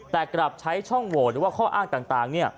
แต่กลับใช้ช่องโหวตหรือว่าข้ออ้างต่าง